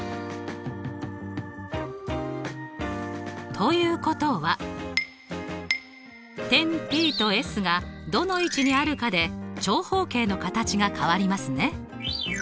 ということは点ＰとＳがどの位置にあるかで長方形の形が変わりますね。